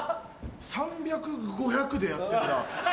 ３００５００でやってんだ。